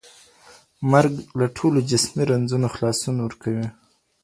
مرګ له ټولو جسمي رنځونو خلاصون ورکوي.